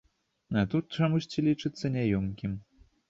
А тут чамусьці гэта лічыцца няёмкім.